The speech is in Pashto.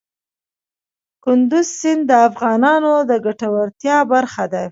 کندز سیند د افغانانو د ګټورتیا برخه ده.